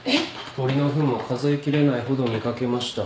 鳥のふんも数え切れないほど見掛けました。